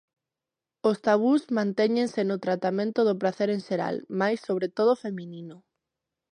Os tabús mantéñense no tratamento do pracer en xeral, mais sobre todo feminino.